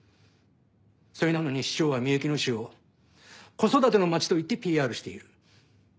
それなのに市長はみゆきの市を「子育ての街」と言ってＰＲしている。